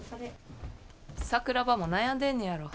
桜庭も悩んでんねやろ。